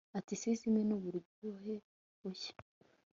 atticism nuburyohe bushya